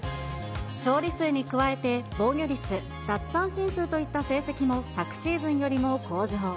勝利数に加えて、防御率、奪三振数といった成績も昨シーズンよりも向上。